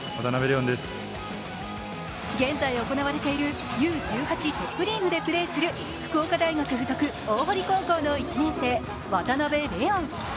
現在行われているＵ１８トップリーグでプレーする、福岡大学附属大濠高校の１年生、渡邉怜音。